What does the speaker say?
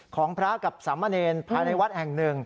ของพระกับสามเณรภายในวัดแห่งหนึ่ง